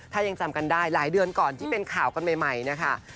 ถ้ายังจำกันได้หลายเดือนก่อนที่เป็นข่าวกันใหม่นะคะ